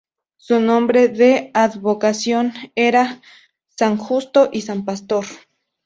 Su nombre de advocación era "San Justo y San Pastor".